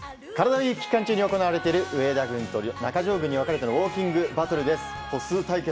ＷＥＥＫ期間中に行われてる上田軍と中条軍に分かれてのウォーキングバトルです。